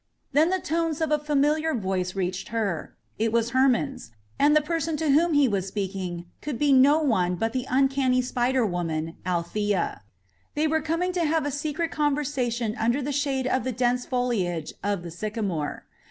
Then the tones of a familiar voice reached her. It was Hermon's, and the person to whom he was speaking could be no one but the uncanny spider woman, Althea. They were coming to have a secret conversation under the shade of the dense foliage of the sycamore.